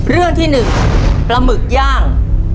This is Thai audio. เรื่องที่๑ปลาหมึกย่าง